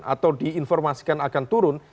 atau diinformasikan akan turun